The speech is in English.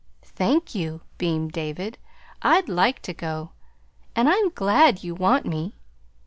"Thank you," beamed David. "I'd like to go, and I'm glad you want me!"